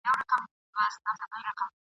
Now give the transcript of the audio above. ارغنداو ته شالماره چي رانه سې !.